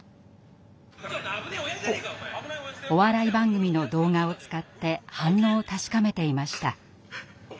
お笑い番組の動画を使って反応を確かめていました。